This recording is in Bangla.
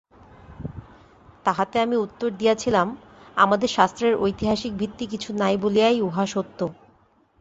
তাহাতে আমি উত্তর দিয়াছিলাম আমাদের শাস্ত্রের ঐতিহাসিক ভিত্তি কিছু নাই বলিয়াই উহা সত্য।